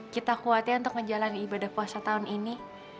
kita kuatnya untuk ngejalanin ibadah puasa tahun ini